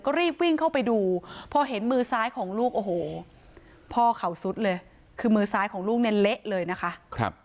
ก็รีบวิ่งเข้าไปดูพอเห็นมือซ้ายของลูกโอ้โหพ่อเขาสุดเลยคือมือซ้ายของลูกเนี่ยเละเลยนะคะ